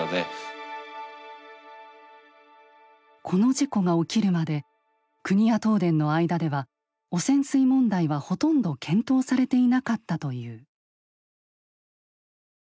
この事故が起きるまで国や東電の間では汚染水問題はほとんど検討されていなかったという。